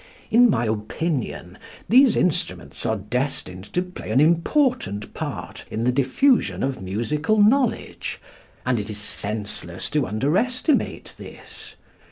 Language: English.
In my opinion, these instruments are destined to play an important part in the diffusion of musical knowledge, and it is senseless to underestimate this.